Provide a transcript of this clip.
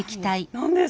何ですか？